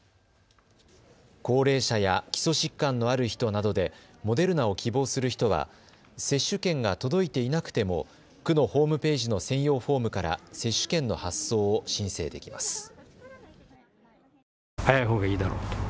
高齢者や基礎疾患のある人などでモデルナを希望する人は接種券が届いていなくても区のホームページの専用フォームから接種券の発送を申請できます。